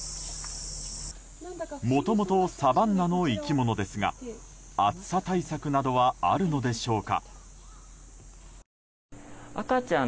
もともとサバンナの生き物ですが暑さ対策などはあるのでしょうか。